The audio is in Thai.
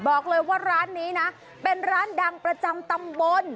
บอกเลยว่าร้านนี้นะเป็นร้านดังประจำตำบล